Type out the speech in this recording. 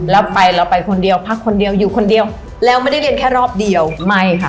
แล้วไปเราไปคนเดียวพักคนเดียวอยู่คนเดียวแล้วไม่ได้เรียนแค่รอบเดียวไม่ค่ะ